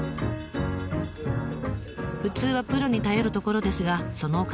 普通はプロに頼るところですがそのお金はない。